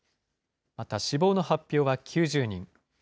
また死亡の発表は９０人。